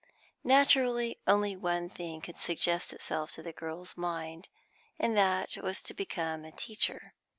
Naturally, only one thing could suggest itself to the girl's mind, and that was to become a teacher.